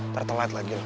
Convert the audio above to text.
tertelat lagi loh